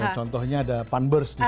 contohnya ada punburst di situ